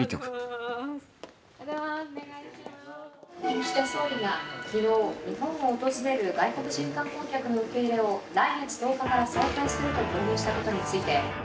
「岸田総理が昨日日本を訪れる外国人観光客の受け入れを来月１０日から再開すると表明したことについて」。